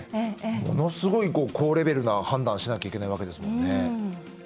ものすごい高レベルな判断しなきゃいけないわけですもんね。